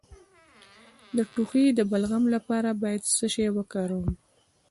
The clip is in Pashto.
د ټوخي د بلغم لپاره باید څه شی وکاروم؟